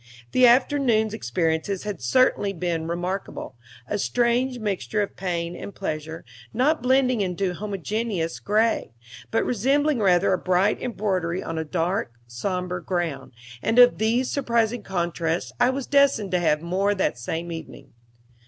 The afternoon's experiences had certainly been remarkable a strange mixture of pain and pleasure, not blending into homogeneous gray, but resembling rather a bright embroidery on a dark, somber ground; and of these surprising contrasts I was destined to have more that same evening.